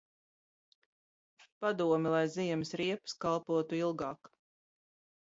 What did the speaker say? Padomi, lai ziemas riepas kalpotu ilgāk.